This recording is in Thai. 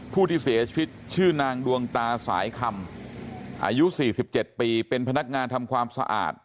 ผู้ที่เสียชีวิตชื่อนางดวงตาสายคำอายุ๔๗ปีเป็นพนักงานทำความสะอาด